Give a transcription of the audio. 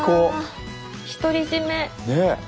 あ独り占め。